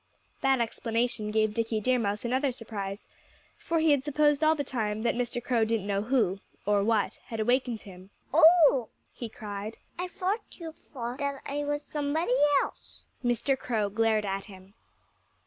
That explanation gave Dickie Deer Mouse another surprise; for he had supposed all the time that Mr. Crow didn't know who or what had awakened him. "Oh!" he cried. "I thought that you thought I was somebody else." Mr. Crow glared at him.